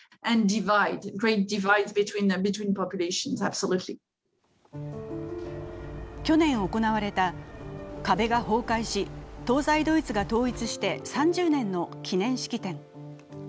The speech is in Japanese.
更に去年行われた壁が崩壊し東西ドイツが統一して３０年の記念式典。